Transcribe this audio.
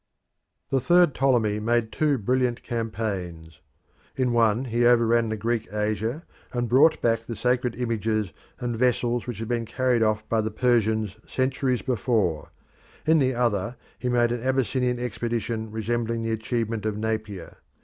The third Ptolemy made two brilliant campaigns. In one he overran Greek Asia and brought back the sacred images and vessels which had been carried off by the Persians centuries before; in the other he made an Abyssinian expedition resembling the achievement of Napier.